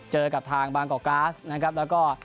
เจอกับทางบางกอกก๊าสแล้วก็